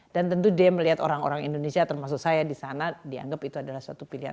dan tentu dia melihat orang orang indonesia termasuk saya di sana dianggap itu adalah suatu pilihan